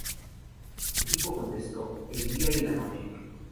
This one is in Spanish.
Edipo contestó: el día y la noche.